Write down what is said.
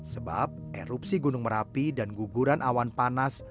sebab erupsi gunung merapi dan guguran awan panas